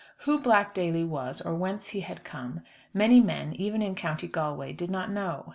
Who Black Daly was or whence he had come, many men, even in County Galway, did not know.